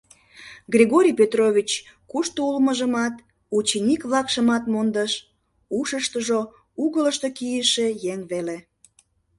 Григорий Петрович кушто улмыжымат, ученик-влакшымат мондыш, ушыштыжо угылышто кийыше еҥ веле...